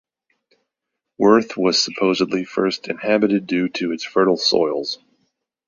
Worth was supposedly first inhabited due to its fertile soils.